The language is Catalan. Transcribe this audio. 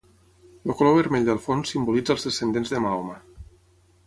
El color vermell del fons simbolitza als descendents de Mahoma.